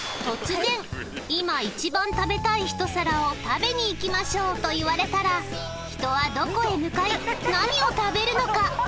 突然「いま一番食べたい一皿を食べに行きましょう」と言われたら人はどこへ向かい何を食べるのか？